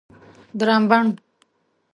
درابڼ